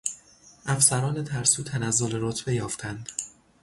افسران ترسو تنزل رتبه یافتند.